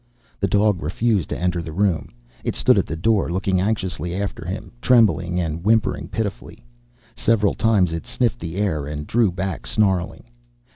The dog refused to enter the room. It stood at the door, looking anxiously after him, trembling and whimpering pitifully. Several times it sniffed the air and drew back, snarling.